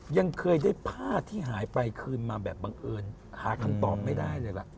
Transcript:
ยังเคยได้ผ้าที่หายไปคืนมาแบบบังเอิญหาคำตอบไม่ได้เลยล่ะ